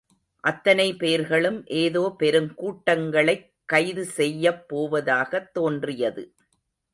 அத்தனை பேர்களும் ஏதோ பெருங் கூட்டங்களைக் கைது செய்யப்போவதாகத் தோன்றியது.